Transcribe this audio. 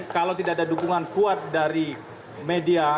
kalau tidak ada dukungan kuat dari media